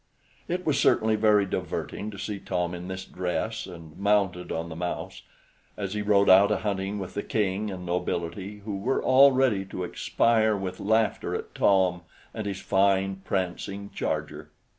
It was certainly very diverting to see Tom in this dress, and mounted on the mouse, as he rode out a hunting with the King and nobility, who were all ready to expire with laughter at Tom and his fine prancing charger.